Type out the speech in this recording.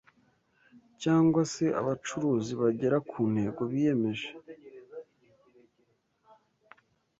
cyangwa se abacuruzi bagera ku ntego biyemeje.